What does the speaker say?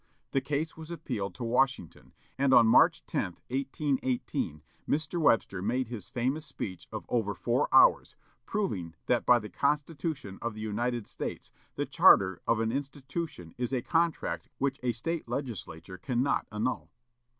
The case was appealed to Washington, and on March 10, 1818, Mr. Webster made his famous speech of over four hours, proving that by the Constitution of the United States the charter of an institution is a contract which a State Legislature cannot annul.